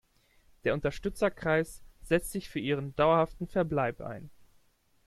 Der Unterstützerkreis setzt sich für ihren dauerhaften Verbleib ein.